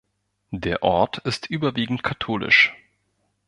Der Ort ist überwiegend katholisch.